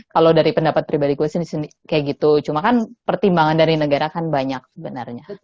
kalau dari pendapat pribadi gue sendiri kayak gitu cuma kan pertimbangan dari negara kan banyak sebenarnya